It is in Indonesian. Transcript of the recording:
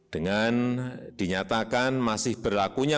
dengan dinyatakan masih berlakunya